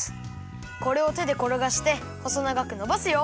これをてでころがしてほそながくのばすよ。